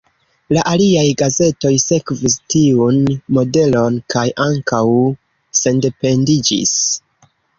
La aliaj gazetoj sekvis tiun modelon kaj ankaŭ sendependiĝis.